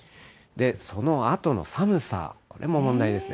そのあとの寒さ、これも問題ですね。